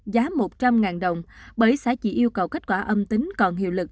giá một trăm linh đồng bởi xã chỉ yêu cầu kết quả âm tính còn hiệu lực